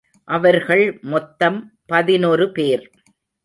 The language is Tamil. அவர்கள் மொத்தம் பதினொருபேர்.